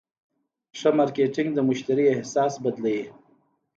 ښه مارکېټنګ د مشتری احساس بدلوي.